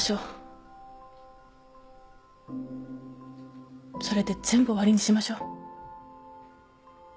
それで全部終わりにしましょう。